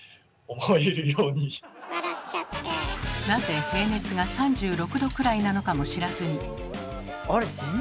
なぜ平熱が３６℃くらいなのかも知らずに。